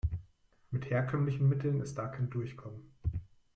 Mit herkömmlichen Mitteln ist da kein Durchkommen.